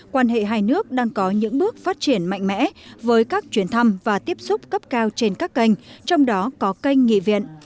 quan hệ hai nước đang có những bước phát triển mạnh mẽ với các chuyến thăm và tiếp xúc cấp cao trên các kênh trong đó có kênh nghị viện